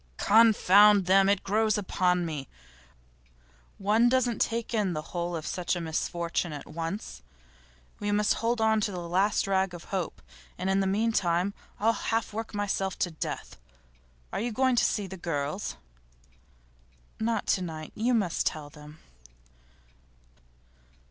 'Confound them! It grows upon one. One doesn't take in the whole of such a misfortune at once. We must hold on to the last rag of hope, and in the meantime I'll half work myself to death. Are you going to see the girls?' 'Not to night. You must tell them.